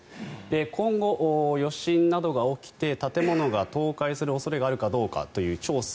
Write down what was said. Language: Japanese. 今後、余震などが起きて建物が倒壊する恐れがあるかどうかという調査。